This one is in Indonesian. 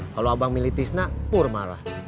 kalau abang milih tisna pur marah